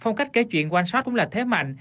phong cách kể chuyện one shot cũng là thế mạnh